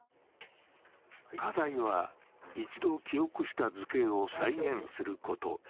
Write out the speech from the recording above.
課題は、一度記憶した図形を再現すること。